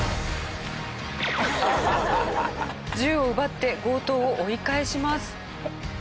銃を奪って強盗を追い返します。